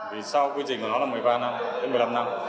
vì sau quy trình của nó là một mươi ba năm đến một mươi năm năm